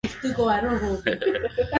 ni filamu card ambazo zimempa umaarufu sana